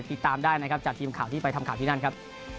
ติดตามได้นะครับจากทีมข่าวที่ไปทำข่าวที่นั่นครับ